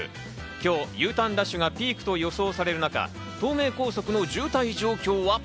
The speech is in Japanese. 今日、Ｕターンラッシュがピークと予想される中、東名高速の渋滞状況は？